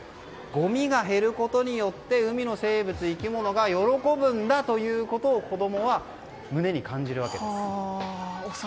ごみが減ることによって海の生物が喜ぶんだということを子供は胸に感じるわけです。